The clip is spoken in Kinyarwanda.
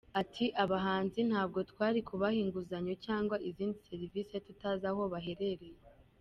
Ati” Abahinzi ntabwo twari kubaha inguzanyo cyangwa izindi serivisi tutazi aho baherereye.